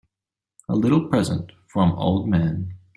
A little present from old man.